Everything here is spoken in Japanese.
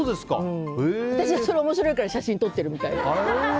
私はそれ面白いから写真撮ってる。